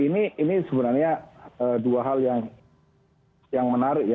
ini sebenarnya dua hal yang menarik ya